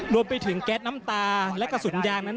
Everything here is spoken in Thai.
รวมไปถึงแก๊สน้ำตาและกระสุนยางนั้น